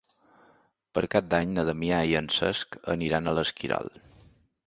Per Cap d'Any na Damià i en Cesc aniran a l'Esquirol.